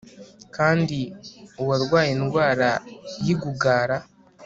Kandi uwarwaye indwara yi gugara